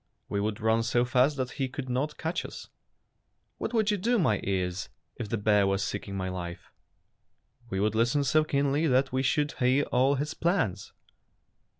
''We would run so fast that he could not catch you." "What would you do, my ears, if the bear was seeking my life?" " We would listen so keenly that we should hear all his plans."